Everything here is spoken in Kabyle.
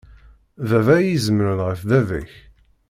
Baba i izemren ɣef baba-k.